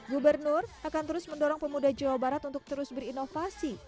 gubernur akan terus mendorong pemuda jawa barat untuk terus berinovasi